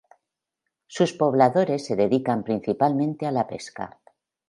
Sus pobladores se dedican principalmente a la pesca.